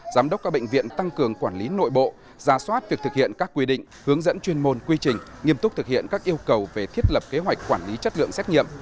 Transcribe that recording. giám đốc các bệnh viện tăng cường quản lý nội bộ ra soát việc thực hiện các quy định hướng dẫn chuyên môn quy trình nghiêm túc thực hiện các yêu cầu về thiết lập kế hoạch quản lý chất lượng xét nghiệm